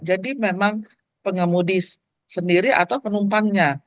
jadi memang pengemudi sendiri atau penumpangnya